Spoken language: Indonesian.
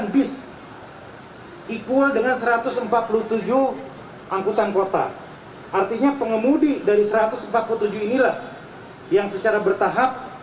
sembilan bis equal dengan satu ratus empat puluh tujuh angkutan kota artinya pengemudi dari satu ratus empat puluh tujuh inilah yang secara bertahap